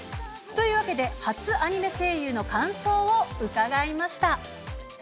というわけで、初アニメ声優の感想を伺いました。